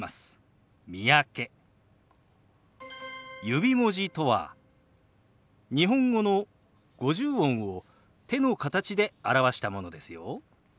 指文字とは日本語の五十音を手の形で表したものですよ。